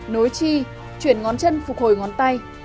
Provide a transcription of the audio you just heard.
nối chi chuyển ngón chân phục hồi ngón tay